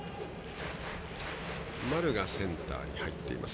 丸がセンターに入っています。